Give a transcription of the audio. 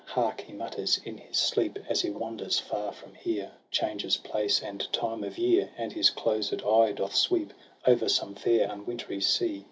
Hark ! he mutters in his sleep, As he wanders far from here. Changes place and time of year. And his closed eye doth sweep O'er some fair unwintry sea.